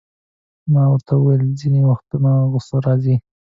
ما ورته وویل: ځیني وختونه غصه راځي.